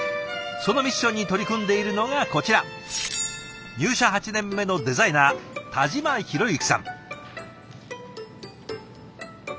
そのミッションに取り組んでいるのがこちら入社８年目のデザイナー田嶋宏行さん。